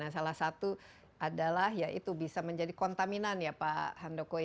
salah satu adalah ya itu bisa menjadi kontaminan ya pak handoko